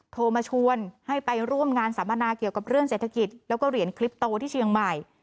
โทรมาชวนให้ไปร่วมงานสัมมนาเกี่ยวกับเรื่องเศรษฐกิจแล้วก็เหรียญคลิปโตที่เชียงใหม่